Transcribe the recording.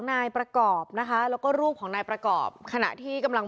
อย่างนึกถึงครั้งสักครั้ง